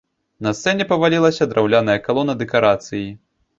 На сцэне павалілася драўляная калона дэкарацыі.